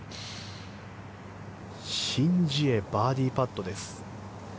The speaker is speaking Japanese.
シン・ジエバーディーパットです。